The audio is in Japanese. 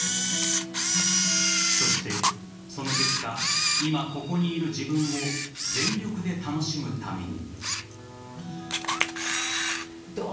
そして、その結果今、ここにいる自分を全力で楽しむために。